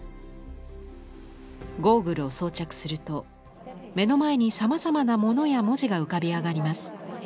ゴーグルを装着すると目の前にさまざまな物や文字が浮かび上がります。